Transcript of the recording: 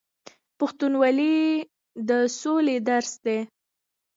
پښتونولي د سولې درس دی.